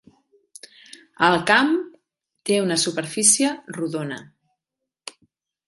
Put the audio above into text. El camp té una superfície rodona.